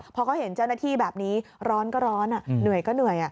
พอเขาเห็นเจ้าหน้าที่แบบนี้ร้อนก็ร้อนเหนื่อยก็เหนื่อย